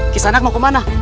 kisah anak mau kemana